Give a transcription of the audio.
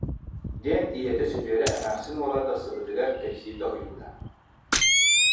диэн ийэтэ Сөдүөрэ эмээхсин уола тахсыбытыгар кэпсии тоһуйбута